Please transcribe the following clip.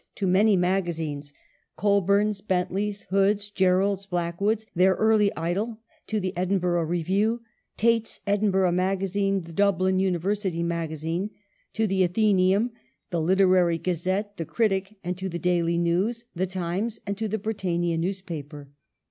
^9 to many magazines : Colburri s, Bentleys, Hood's, yerrolcfs, Blackwood's, their early idol ; to the Edinburgh Review, Tait's Edinburgh Magazine, the Dublin University Magazine ; to the Athe nceum, the Literary Gazette, the Critic, and to the Daily News, the Times, and to the Britannia newspaper.